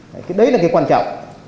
cái đấy là cái quan trọng